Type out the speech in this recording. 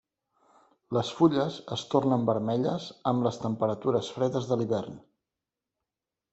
Les fulles es tornen vermelles amb les temperatures fredes de l'hivern.